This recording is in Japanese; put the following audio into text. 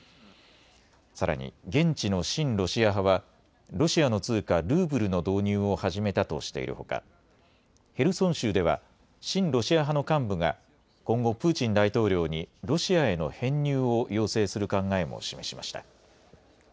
さらに現地の親ロシア派はロシアの通貨ルーブルの導入を始めたとしているほかヘルソン州では親ロシア派の幹部が今後プーチン大統領にロシアへの編入を要請する考えも示しました。